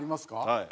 はい。